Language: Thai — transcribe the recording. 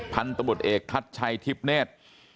พันธุ์ตำรวจเอกทัศน์ชัยทิพเนท